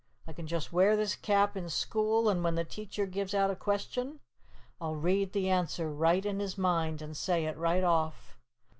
I can just wear this Cap in school and when the teacher gives out a question, I'll read the answer right in his mind, and say it right off.